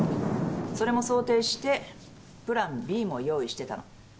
それも想定してプランＢも用意してたの。